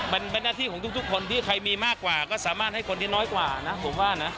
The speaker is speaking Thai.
มันเป็นหน้าที่ของทุกคนที่ใครมีมากกว่าก็สามารถให้คนที่น้อยกว่านะผมว่านะ